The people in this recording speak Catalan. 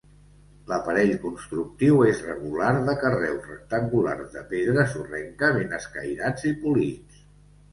L'aparell constructiu és regular de carreus rectangulars de pedra sorrenca ben escairats i polits.